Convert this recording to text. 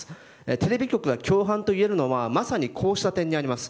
テレビ局が共犯といえるのはまさに、こうした点にあります。